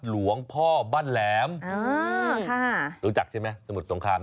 หลวงพ่อบ้านแหลมรู้จักใช่ไหมสมุทรสงคราม